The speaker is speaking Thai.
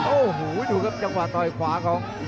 โอ้โหดูครับจังหวะต่อยขวาของ